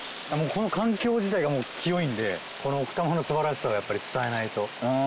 この環境自体が清いんでこの奥多摩の素晴らしさをやっぱり伝えないと。